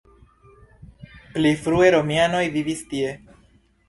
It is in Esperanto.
Pli frue romianoj vivis tie.